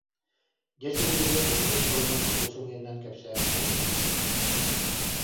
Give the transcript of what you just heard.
Дьэ сибилигин урдус туһунан тугу сымыйанан кэпсээбиттэрин билиэхпит